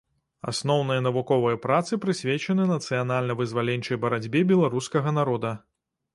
Асноўныя навуковыя працы прысвечаны нацыянальна-вызваленчай барацьбе беларускага народа.